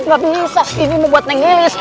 neng gak bisa ini mau buat neng lilis